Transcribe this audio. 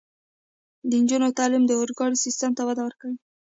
د نجونو تعلیم د اورګاډي سیستم ته وده ورکوي.